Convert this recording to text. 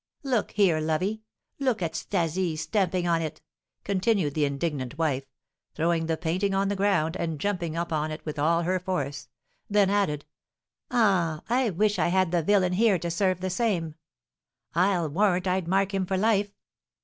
Look here, lovey, look at 'Stasie stamping on it!" continued the indignant wife, throwing the painting on the ground, and jumping upon it with all her force; then added, "Ah, I wish I had the villain here, to serve the same! I'll warrant I'd mark him for life!"